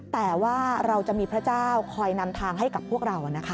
แต่ว่าเราจะมีพระเจ้าคอยนำทางให้กับพวกเรานะคะ